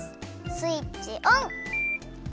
スイッチオン！